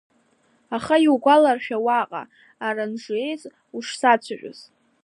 Аха иугәаларшәа уаҟа, Аранжуец, ушсацәажәоз!